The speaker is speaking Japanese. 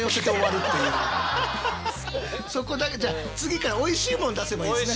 そこだけじゃあ次からおいしいもの出せばいいんですね。